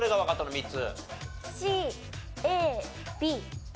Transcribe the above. ３つ。